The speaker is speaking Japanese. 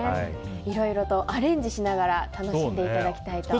いろいろとアレンジしながら楽しんでいただきたいと。